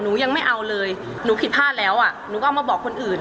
หนูยังไม่เอาเลยหนูผิดพลาดแล้วอ่ะหนูก็เอามาบอกคนอื่น